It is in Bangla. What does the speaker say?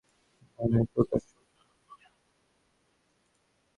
তবে এতদিন কাহাকেও তো দেখি নাই, সে প্রকার সহায়তায় অগ্রসর।